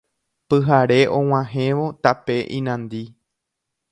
Pyhare og̃uahẽvo tape inandi